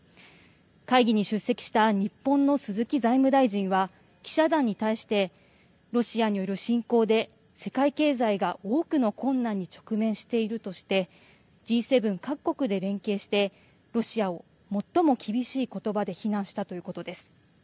会議に出席した日本の鈴木財務大臣は記者団に対してロシアによる侵攻で世界経済が多くの困難に直面しているとしてＧ７各国で連携してロシアを最も厳しいことばで非難したということです。